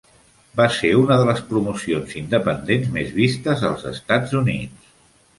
Va ser una de les promocions independents més vistes als Estats Units.